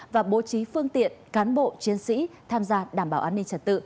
và bố trí phương tiện cán bộ chiến sĩ tham gia đảm bảo an ninh trật tự